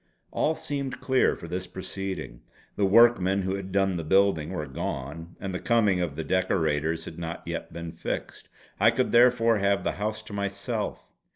All seemed clear for this proceeding. The workmen who had done the building were gone, and the coming of the decorators had not yet been fixed. I could therefore have the house to myself.